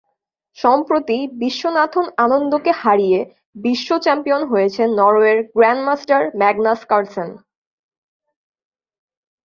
সম্প্রতি বিশ্বনাথন আনন্দকে হারিয়ে বিশ্ব চ্যাম্পিয়ন হয়েছেন নরওয়ের গ্র্যান্ডমাস্টার ম্যাগনাস কার্লসেন।